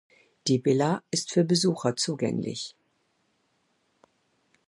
Die Villa ist für Besucher zugänglich.